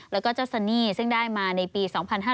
แล้วก็เจ้าซันนี่ซึ่งได้มาในปี๒๕๕๙